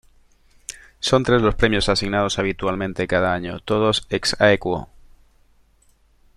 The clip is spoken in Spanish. Son tres los premios asignados habitualmente cada año, "todos ex aequo".